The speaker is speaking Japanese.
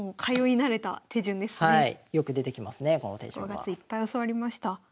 ５月いっぱい教わりました。